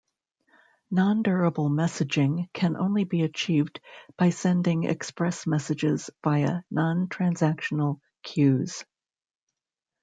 Non-durable messaging can only be achieved by sending express messages via non-transactional queues.